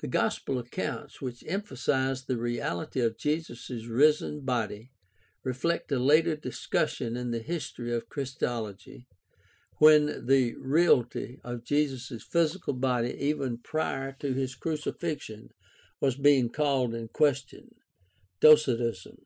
The gospel accounts which emphasize the reality of Jesus' risen body reflect a later discussion in the history of Christology when the reality of Jesus' physical body even prior to his crucifixion was being called in question (Docetism).